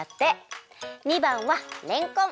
２ばんはれんこん。